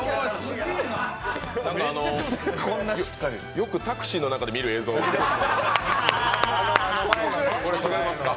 よくタクシーの中で見る映像ですね。